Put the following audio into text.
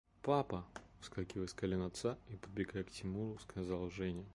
– Папа! – вскакивая с колен отца и подбегая к Тимуру, сказала Женя.